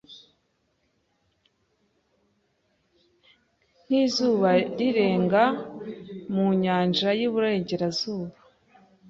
nkizuba rirenga mu nyanja yuburengerazuba